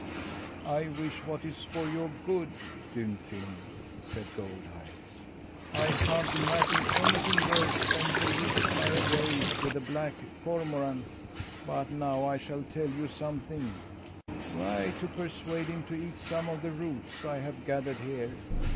"I wish what is for your good, Dunfin," said Goldeye. "I can't imagine anything worse than for you to fly away with a black cormorant! But now I shall tell you something try to persuade him to eat some of the roots I have gathered here.